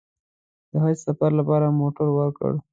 د حج سفر لپاره موټر ورکړ.